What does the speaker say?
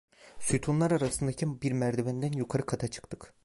Sütunlar arasındaki bir merdivenden yukarı kata çıktık.